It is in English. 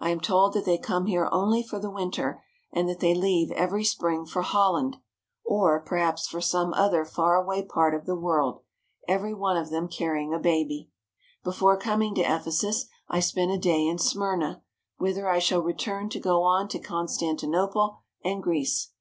I am told that they come here only for the winter, and that they leave every spring for Holland, 266 THE SHRINE OF DIANA OF THE EPHESIANS or perhaps for some other far away part of the world, every one of them carrying a baby. Before coming to Ephesus I spent a day in Smyrna, whither I shall return to go on to Constantinople and Greece.